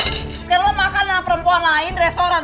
sekarang lu makan sama perempuan lain di restoran